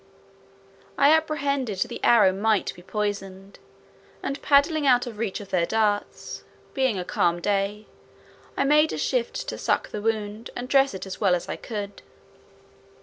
I apprehended the arrow might be poisoned, and paddling out of the reach of their darts (being a calm day), I made a shift to suck the wound, and dress it as well as I could.